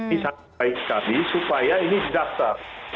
ini sangat baik sekali supaya ini didaftar